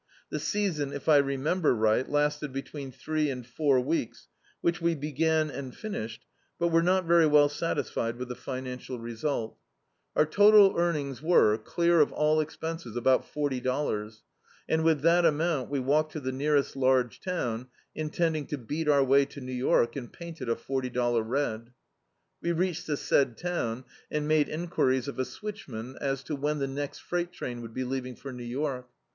The sea son, if I remember right, lasted between three and four weeks, which we began and finished, but were not very well satisfied with the financial result. [w] D,i.,.db, Google A Ni^t's Ride Our total earnings were, clear of all expenses, about forty dollars, and with that amount we walked to the nearest large town intending to beat our way to New York and paint it a forty dollar red. We reached the said town, and made enquiries of a switchman as to when the next freight train would be leaving for New York.